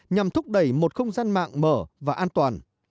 nhằm thúc đẩy một không gian mạng mở và an toàn